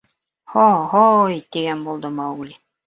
— Һо, һо-ой! — тигән булды Маугли.